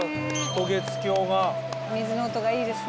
渡月橋が水の音がいいですね